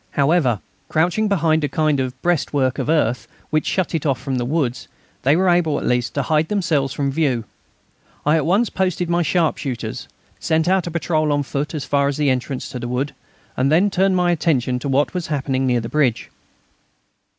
However, crouching behind a kind of breastwork of earth, which shut it off from the woods, they were able, at least, to hide themselves from view. I at once posted my sharpshooters, sent out a patrol on foot as far as the entrance to the wood, and then turned my attention to what was happening near the bridge.